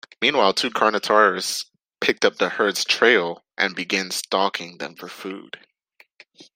Meanwhile, two "Carnotaurus" pick up the herd's trail and begin stalking them for food.